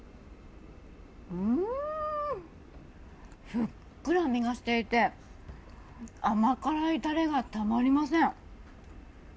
ふっくら身がしていて甘辛いタレがたまりません。